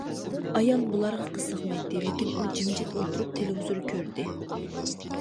ئايال بۇلارغا قىزىقمايتتى، لېكىن ئۇ جىمجىت ئولتۇرۇپ تېلېۋىزور كۆردى.